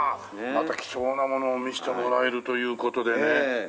また貴重なものを見せてもらえるという事でね。